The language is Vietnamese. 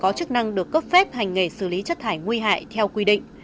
có chức năng được cấp phép hành nghề xử lý chất thải nguy hại theo quy định